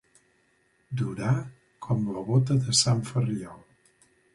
Durar com la bota de sant Ferriol.